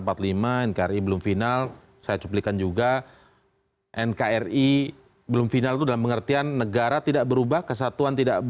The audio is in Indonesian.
nkri dan braking nal saya cuplikan juga nkri belum final sudah mengertian negara tidak berubah kesatuan